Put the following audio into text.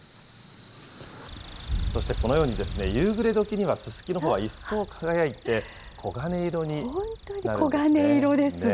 そしてこのように、夕暮れ時には、ススキの穂は一層輝いて、黄金色になるんですね。